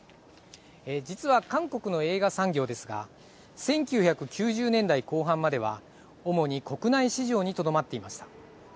実は、韓国の映画産業ですが１９９０年代後半までは主に国内市場にとどまっていました。